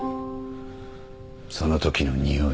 そのときのにおい。